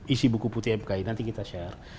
isi buku putih mki nanti kita share